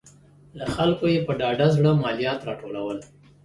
له خلکو یې په ډاډه زړه مالیات راټولول.